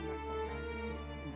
cuma dosa yang dikira kira